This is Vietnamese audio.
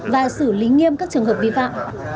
và xử lý nghiêm các trường hợp vi phạm